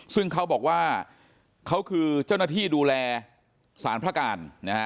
ซึ่งเขาบอกว่าเขาคือเจ้าหน้าที่ดูแลสารพระการนะฮะ